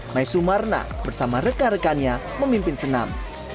maisu marna bersama reka rekanya memimpin senam